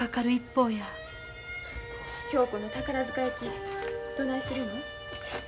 恭子の宝塚行きどないするの？